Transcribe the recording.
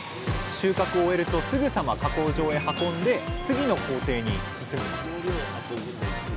収穫を終えるとすぐさま加工場へ運んで次の工程に進みます